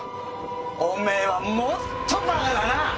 おめえはもっと馬鹿だな！